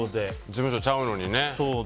事務所ちゃうのにね。